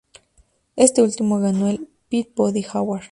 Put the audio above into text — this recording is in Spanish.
Este último ganó el Peabody Award.